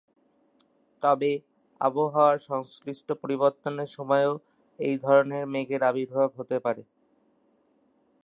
তবে, আবহাওয়ার সংশ্লিষ্ট পরিবর্তনের সময়ও এই ধরনের মেঘের আবির্ভাব হতে পারে।